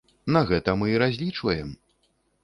На гэта мы і разлічваем.